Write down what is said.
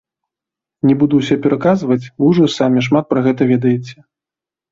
Не буду ўсё пераказваць, вы ўжо самі шмат пра гэта ведаеце.